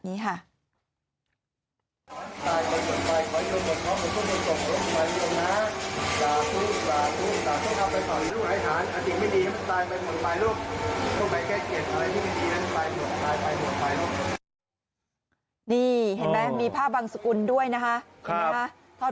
เนี่ยแบบเนี้ยไม่มีภาพบางสกุลด้วยนะครับ